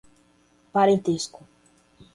parentesco